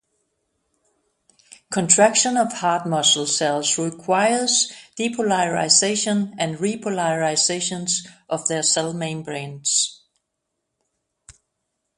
Contraction of heart muscle cells requires depolarization and repolarization of their cell membranes.